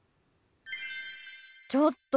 ちょっと！